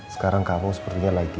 sekarang kamu sepertinya lagi